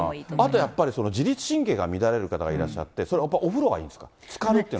あとやっぱり、自律神経が乱れる方がいらっしゃって、それ、お風呂がいいんですか、つかるというのが。